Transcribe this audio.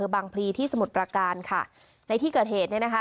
บางพลีที่สมุทรประการค่ะในที่เกิดเหตุเนี่ยนะคะ